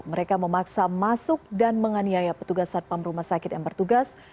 mereka memaksa masuk dan menganiaya petugas satpam rumah sakit yang bertugas